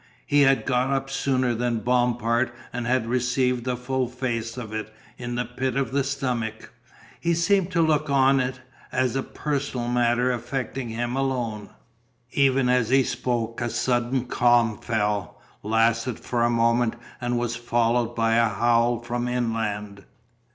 He had got up sooner than Bompard and had received the full face of it "in the pit of the stomach." He seemed to look on it as a personal matter affecting him alone. Even as he spoke a sudden calm fell, lasted for a moment, and was followed by a howl from inland.